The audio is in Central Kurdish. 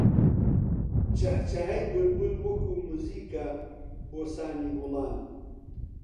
چەهچەهەی بولبول وەکوو مووزیکە بۆ سانی گوڵان